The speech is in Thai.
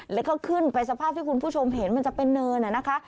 แล้วก็ขึ้นไปสภาพที่คุณผู้ชมเห็นมันจะเป็นเนินนะคะ